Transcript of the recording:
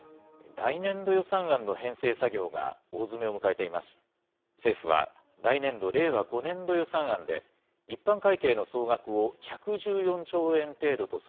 来年度予算案の編成作業が大詰めを迎えています。